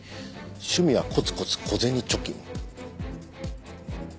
「趣味はコツコツ小銭貯金」